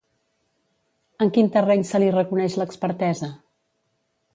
En quin terreny se li reconeix l'expertesa?